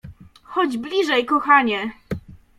Chodź bliżej, kochanie!